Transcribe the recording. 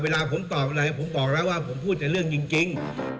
เวลาผมตอบอะไรผมบอกแล้วว่าผมพูดแต่เรื่องจริง